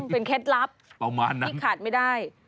เป็นเคล็ดลับประมาณนั้นที่ขาดไม่ได้